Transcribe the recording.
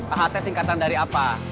aht singkatan dari apa